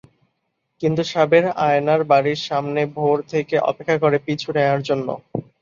কিন্তু সাবের আয়নার বাড়ির সামনে ভোর থেকে অপেক্ষা করে পিছু নেয়ার জন্য।